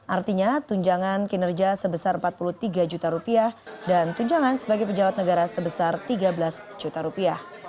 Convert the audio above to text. artinya tunjangan kinerja sebesar empat puluh tiga juta rupiah dan tunjangan sebagai pejabat negara sebesar tiga belas juta rupiah